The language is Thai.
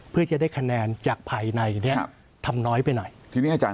เพื่อยังได้คะแนนจากภายในนี้ทำน้อยไปหน่อยครับครับ